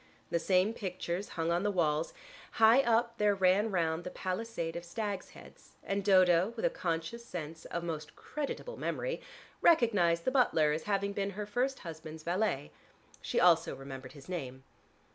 The same pictures hung on the walls; high up there ran round the palisade of stags' heads and Dodo (with a conscious sense of most creditable memory) recognized the butler as having been her first husband's valet. She also remembered his name.